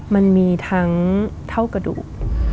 มันมีทั้งเท่ากระดูก